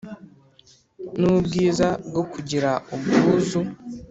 n´ubwiza bwo kugira ubwuzu